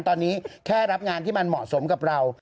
ตอนนี้แค่รับงานที่มันเหมาะสมกับเรา